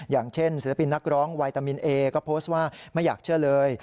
อย่างเช่นศิลปินนักร้องไวตามินเอก็โพสต์ว่าไม่อยากเชื่อเลย